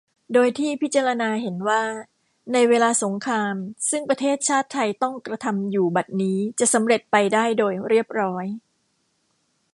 โดยที่พิจารณาเห็นว่า ในเวลาสงครามซึ่งประเทศชาติไทยต้องกระทำอยู่บัดนี้จะสำเร็จไปได้โดยเรียบร้อย